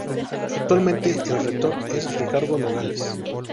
Actualmente el rector es Ricardo Nogales.